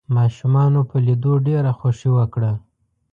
ماشومانو په ليدو ډېره خوښي وکړه.